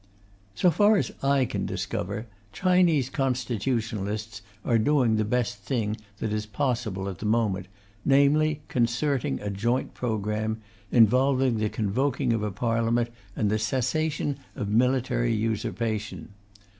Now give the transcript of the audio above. So far as I can discover, Chinese Constitutionalists are doing the best thing that is possible at the moment, namely, concerting a joint programme, involving the convoking of a Parliament and the cessation of military usurpation.